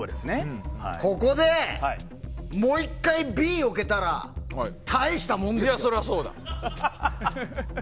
ここでもう１回Ｂに置けたら大したもんですよ。